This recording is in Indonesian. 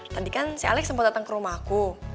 tadi kan si alex sempat datang ke rumah aku